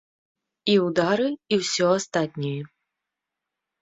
І ўдары, і ўсё астатняе.